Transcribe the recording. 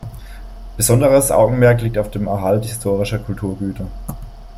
Besonderes Augenmerk liegt auf dem Erhalt historischer Kulturgüter.